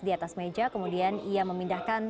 di atas meja kemudian ia memindahkan